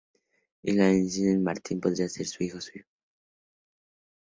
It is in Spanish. Y le insinúa que Martín podría ser hijo suyo.